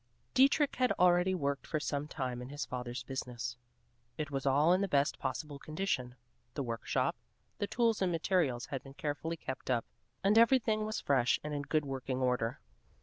Dietrich had already worked for some time in his father's business. It was all in the best possible condition; the work shop, the tools and materials had been carefully kept up, and everything was fresh and in good working order.